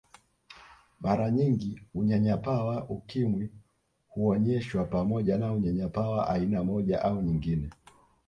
Mara nyingi unyanyapaa wa Ukimwi huonyeshwa pamoja na unyanyapaa wa aina moja au nyingine